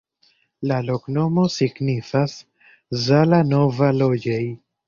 La loknomo signifas: Zala-nova-loĝej'.